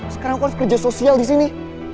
sekarang aku harus kerja sosial di sini